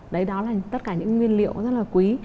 đấy đó là tất cả những nguyên liệu rất là quý